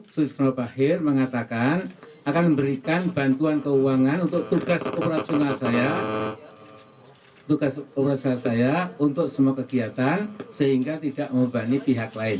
suizno bahir mengatakan akan memberikan bantuan keuangan untuk tugas operasional saya untuk semua kegiatan sehingga tidak memubani pihak lain